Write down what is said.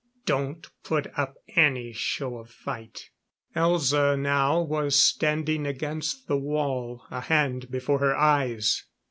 Don't put up any show of fight." Elza now was standing against the wall, a hand before her eyes.